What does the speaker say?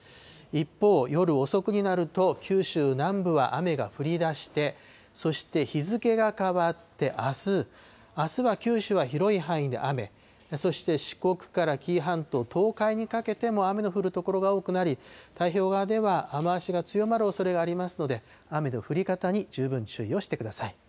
一方、夜遅くになると、九州南部は雨が降りだして、そして日付が変わって、あす、あすは九州は広い範囲で雨、そして四国から紀伊半島、東海にかけても雨の降る所が多くなり、太平洋側では雨足が強まるおそれがありますので、雨の降り方に十分注意をしてください。